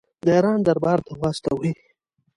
د ایران دربار ته واستوي.